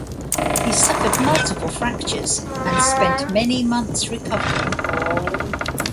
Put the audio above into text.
He suffered multiple fractures and spent many months recovering.